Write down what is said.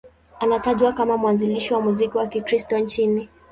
Anatajwa kama mwanzilishi wa muziki wa Kikristo nchini.